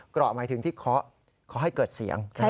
กรอกหมายถึงที่เคาะเคาะให้เกิดเสียงนะครับ